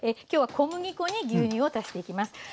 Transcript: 今日は小麦粉に牛乳を足していきます。